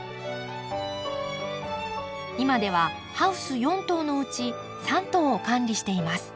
今ではハウス４棟のうち３棟を管理しています。